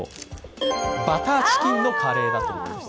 バターチキンのカレーということです。